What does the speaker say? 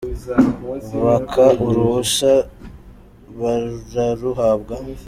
Baka uruhusa bararuhabwa